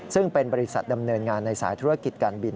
ซึ่งเป็นบริษัทดำเนินงานในสายธุรกิจการบิน